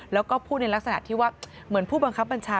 แล้วก็พูดในลักษณะที่ว่าเหมือนผู้บังคับบัญชา